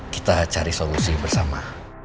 kita cari solusi bersama